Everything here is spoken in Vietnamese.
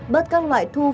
bớt các loại thu phụ phí